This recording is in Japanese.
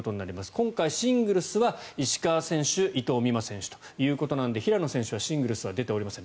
今回、シングルスは石川選手伊藤美誠選手ということなので平野選手はシングルスは出ておりません。